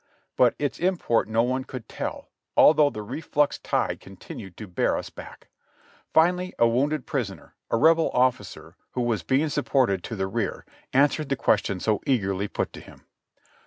But its import no one could tell, although the reflux tide con tinued to bear us back. Finally a wounded prisoner, a Rebel officer, w^ho was being supported to the rear, answered the ques tion so eagerly put to him.